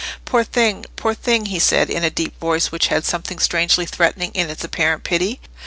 "Poor thing! poor thing!" he said, in a deep voice which had something strangely threatening in its apparent pity.